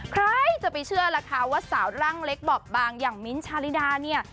ใครจะไปเชื่อล่ะคะว่าสาวร่างเล็กบอบบางอย่างมิ้นท์ชาลิดาเนี่ย